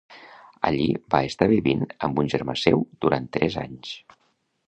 Allí va estar vivint amb un germà seu durant tres anys.